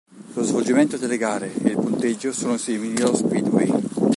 Lo svolgimento della gare e il punteggio sono simili allo speedway.